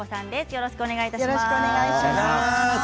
よろしくお願いします。